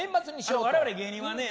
我々芸人はね